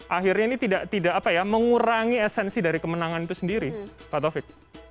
akhirnya ini tidak mengurangi esensi dari kemenangan itu sendiri pak taufik